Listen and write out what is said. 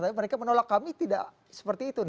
tapi mereka menolak kami tidak seperti itu